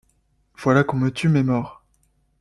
Voilà qu’on me tue mes morts.